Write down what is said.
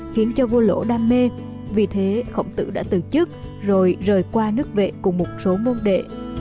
khiến cho vua lỗ đam mê vì thế khổng tử đã từ chức rồi rời qua nước vệ cùng một số môn đệ